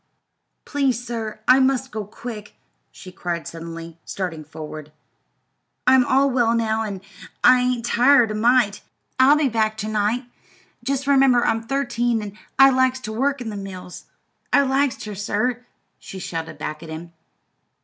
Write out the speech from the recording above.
"Please, sir, I must go, quick," she cried suddenly, starting forward. "I'm all well now, an' I ain't tired a mite. I'll be back ter night. Jest remember I'm thirteen, an' I likes ter work in the mills I likes ter, sir," she shouted back at him.